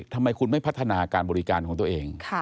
ทำไมคุณไม่พัฒนาการบริการของตัวเอง